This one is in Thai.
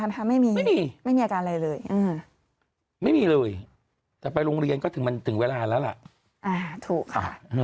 สองกวนไม่มีอาการอะไรเลยไม่มีอะไรเลยแต่ไปโรงเรียนก็ถึงเวลาแล้วล่ะอ่าถูกค่ะ